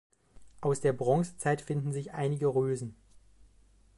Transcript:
Aus der Bronzezeit finden sich einige Rösen.